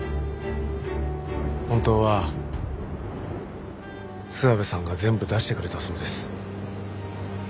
本当は諏訪部さんが全部出してくれたそうです。